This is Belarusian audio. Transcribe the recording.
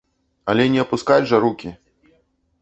Але не апускаць жа рукі.